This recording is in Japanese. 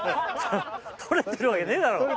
れてるわけねえだろ！